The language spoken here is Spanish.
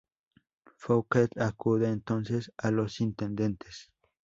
Fouquet acude entonces a los intendentes.